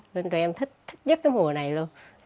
nên tụi em thích nhất mùa này luôn